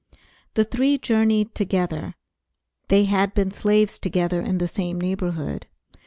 The three journeyed together. They had been slaves together in the same neighborhood.